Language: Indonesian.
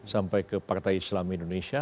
sampai ke partai islam indonesia